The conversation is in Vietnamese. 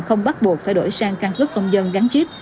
không bắt buộc phải đổi sang căn cứ công dân gắn chip